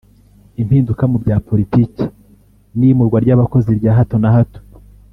impinduka mu bya politiki n’iyimurwa ry’abakozi rya hato na hato